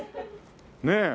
ねえ。